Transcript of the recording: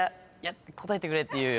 答えてくれっていう。